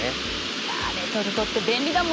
いやレトルトって便利だもんな。